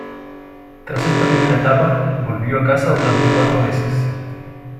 Tras esta primera etapa, volvió a casa durante cuatro meses.